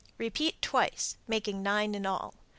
Repeat twice (making nine in all).